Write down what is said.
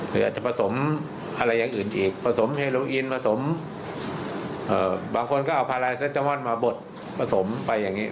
อาจจะผสมอะไรอย่างอื่นอีกผสมเฮโลอินผสมบางคนก็เอาพาลายเซตามอนมาบดผสมไปอย่างนี้